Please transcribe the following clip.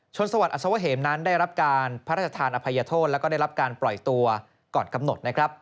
สวัสดิอสวเหมนั้นได้รับการพระราชทานอภัยโทษแล้วก็ได้รับการปล่อยตัวก่อนกำหนดนะครับ